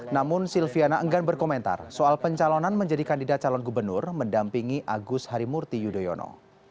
namun silviana enggan berkomentar soal pencalonan menjadi kandidat calon gubernur mendampingi agus harimurti yudhoyono